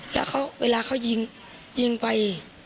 แล้วเวลาเขายิงยิงไป